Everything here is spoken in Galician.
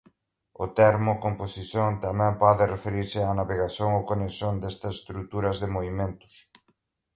O termo composición tamén pode referirse á navegación ou conexión destas estruturas de movementos.